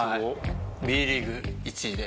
Ｂリーグ１位で。